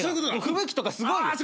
吹雪とかすごいよ。